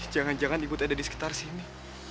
jangan jangan ibu tidak ada di sekitar sini